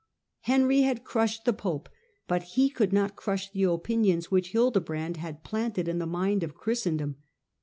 Henry had crushed the pope, but he could not crush the opinions which Hildebrand had planted in the mind of Christendom.